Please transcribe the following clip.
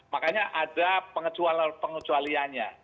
makanya ada pengecualiannya